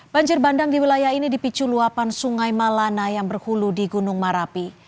banjir bandang di wilayah ini dipicu luapan sungai malana yang berhulu di gunung marapi